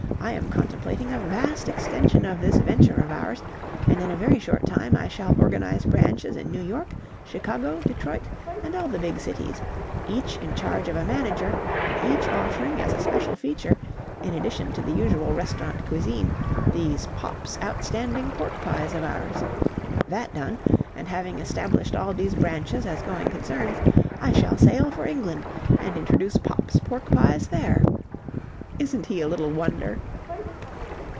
I am contemplating a vast extension of this venture of ours, and in a very short time I shall organize branches in New York, Chicago, Detroit, and all the big cities, each in charge of a manager and each offering as a special feature, in addition to the usual restaurant cuisine, these Popp's Outstanding Pork pies of ours. That done, and having established all these branches as going concerns, I shall sail for England and introduce Popp's Pork pies there...' Isn't he a little wonder!"